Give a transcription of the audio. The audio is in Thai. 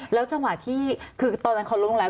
แล้วจังหวะที่คือตอนนั้นเขาล้มลงแล้ว